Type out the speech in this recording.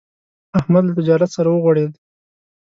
احمد له تجارت سره وغوړېدا.